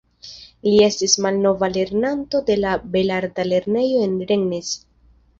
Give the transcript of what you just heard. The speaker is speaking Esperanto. Li estis malnova lernanto de la belarta lernejo en Rennes.